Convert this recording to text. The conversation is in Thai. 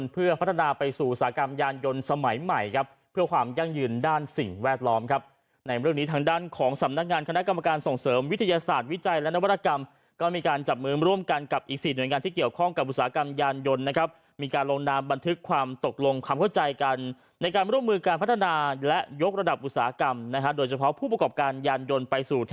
เพื่อความยั่งยืนด้านสิ่งแวดล้อมครับในเรื่องนี้ทางด้านของสำนักงานคณะกรรมการส่งเสริมวิทยาศาสตร์วิจัยและนวัตกรรมก็มีการจับมือมาร่วมกันกับอีกสี่หน่วยงานที่เกี่ยวข้องกับอุตสาหกรรมยานยนต์นะครับมีการลงนามบันทึกความตกลงความเข้าใจกันในการร่วมมือการพัฒนาและยกระดับอุต